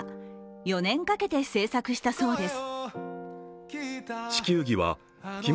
４年かけて制作したそうです。